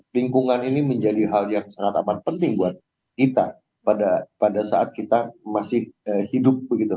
lingkungan ini menjadi hal yang sangat amat penting buat kita pada saat kita masih hidup begitu